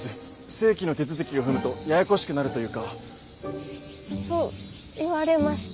正規の手続きを踏むとややこしくなるというか。と言われましても。